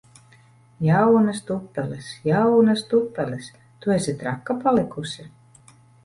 Jaunas tupeles! Jaunas tupeles! Tu esi traka palikusi!